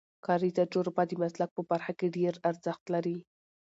کاري تجربه د مسلک په برخه کې ډېر ارزښت لري.